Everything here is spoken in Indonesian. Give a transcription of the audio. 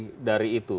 jauh lebih dari itu